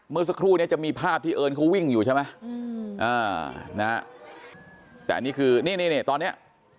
เมื่อสักครู่นี้จะมีภาพที่เอิญเขาวิ่งอยู่ใช่ไหมแต่อันนี้คือนี่นี่ตอนเนี้ย